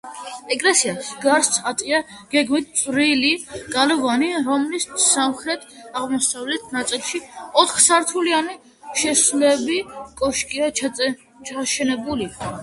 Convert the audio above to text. ეკლესიას გარს არტყია გეგმით წვრილი გალავანი, რომლის სამხრეთ-აღმოსავლეთ ნაწილში ოთხსართულიანი შესასვლელი კოშკია ჩაშენებული.